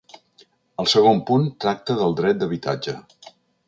El segon punt tracta del dret d’habitatge.